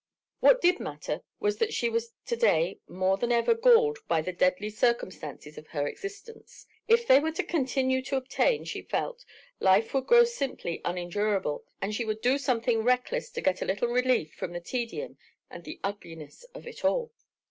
What did matter was that she was to day more than ever galled by the deadly circumstances of her existence. If they were to continue to obtain, she felt, life would grow simply unendurable, and she would to do something reckless to get a little relief from the tedium and the ugliness of it all.